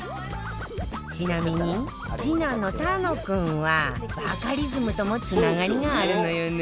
ちなみに次男の楽君はバカリズムともつながりがあるのよね